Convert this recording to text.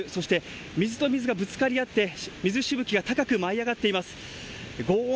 そして、水と水がぶつかり合って水しぶきが高く舞い上がっています。